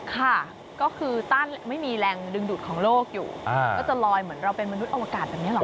ค่ะก็คือต้านไม่มีแรงดึงดูดของโลกอยู่ก็จะลอยเหมือนเราเป็นมนุษย์อวกาศแบบนี้หรอ